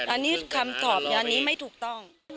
อันนี้คำตอบอันนี้ไม่ถูกต้อง